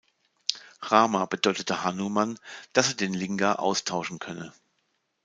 Rama bedeutete Hanuman, dass er den Linga austauschen könne.